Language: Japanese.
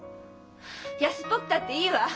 安っぽくたっていいわ！